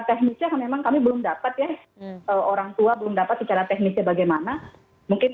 teknisnya memang kami belum dapat ya orang tua belum dapat secara teknisnya bagaimana mungkin